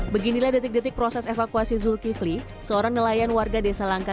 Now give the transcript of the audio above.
beginilah detik detik proses evakuasi zulkifli seorang nelayan warga desa langka